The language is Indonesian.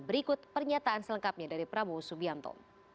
berikut pernyataan selengkapnya dari prabowo subianto